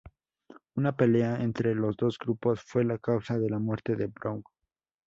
Una pelea entre los dos grupos fue la causa de la muerte de Brown.